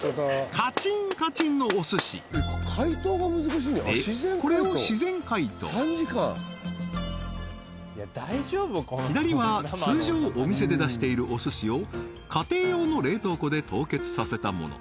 カチンカチンのお寿司でこれを自然解凍左は通常お店で出しているお寿司を家庭用の冷凍庫で凍結させたもの